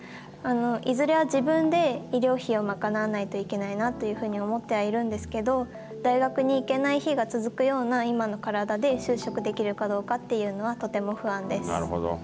いずれは自分で医療費を賄わないといけないなというふうに思っているんですけど、大学に行けない日が続くような今の体で就職できるかどうかというのは、とても不安です。